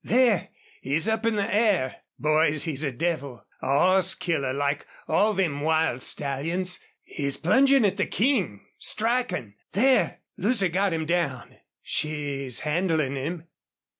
There! he's up in the air.... Boys, he's a devil a hoss killer like all them wild stallions.... He's plungin' at the King strikin'! There! Lucy's got him down. She's handlin' him....